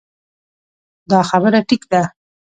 دا خبره ټيک ده -